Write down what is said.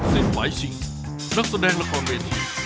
เสียงไว้จริงนักแสดงละครเวที